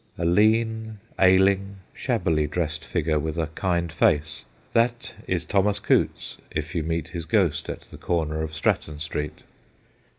A lean, ailing, shabbily dressed figure with a kind face that is Thomas Coutts if you meet his ghost at the corner of Stratton Street.